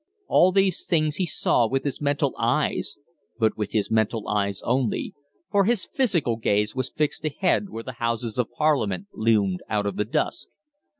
All these things he saw with his mental eyes, but with his mental eyes only, for his physical gaze was fixed ahead where the Houses of Parliament loomed out of the dusk.